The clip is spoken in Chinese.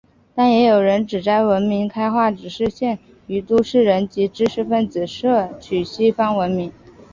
但也有人指摘文明开化只是限于都市人及知识分子摄取西方文明。